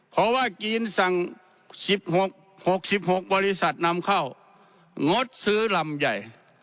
เพราะว่ากินสั่งสิบหกหกสิบหกบริษัทนำเข้างดซื้อลำใย